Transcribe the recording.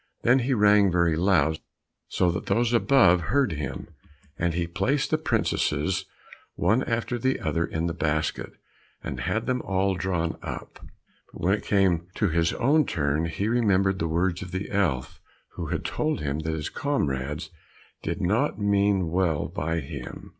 Then he rang very loud, so that those above heard him, and he placed the princesses one after the other in the basket, and had them all drawn up, but when it came to his own turn he remembered the words of the elf, who had told him that his comrades did not mean well by him.